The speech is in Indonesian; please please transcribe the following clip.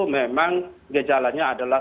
memang gejalannya adalah